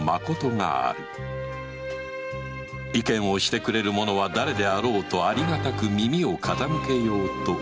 意見をしてくれる者は誰であろうとありがたく耳を傾けようと素直に思う吉宗であった